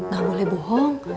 gak boleh bohong